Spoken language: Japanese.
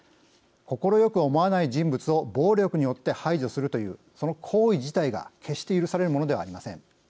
快く思わない人物を暴力によって排除するというその行為自体が決して許されるものではありません。